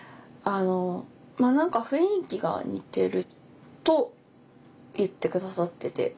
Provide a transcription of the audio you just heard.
まあ何か雰囲気が似てると言って下さってて。